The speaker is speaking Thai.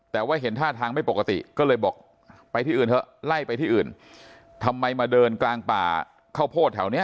แต่ว่าเห็นท่าทางไม่ปกติก็เลยบอกไปที่อื่นเถอะไล่ไปที่อื่นทำไมมาเดินกลางป่าข้าวโพดแถวเนี้ย